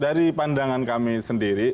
dari pandangan kami sendiri